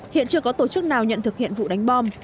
hiện chưa có tổ chức nào nhận thực hiện vụ đánh bom